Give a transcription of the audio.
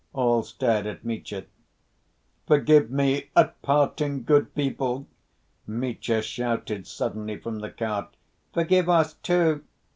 All stared at Mitya. "Forgive me at parting, good people!" Mitya shouted suddenly from the cart. "Forgive us too!"